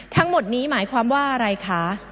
ทั้งหมดนี้หมายความว่าอะไรคะ